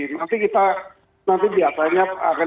nanti kita nanti biasanya akan